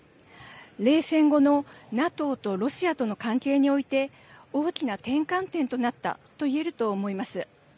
冷戦後のＮＡＴＯとロシアとの関係において大きな転換点となったといえると思います。